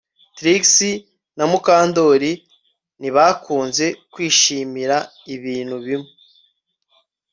Trix na Mukandoli ntibakunze kwishimira ibintu bimwe